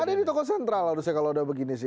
ada di toko sentral harusnya kalau udah begini sih